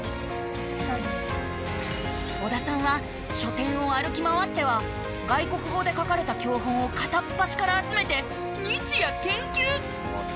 織田さんは書店を歩き回っては外国語で書かれた教本を片っ端から集めて日夜研究！